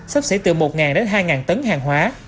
sắp xảy từ một đến hai tấn hàng hóa